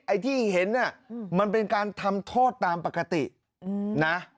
ไอ้ที่เห็นเนี่ยมันเป็นการทำโทษตามปกตินะ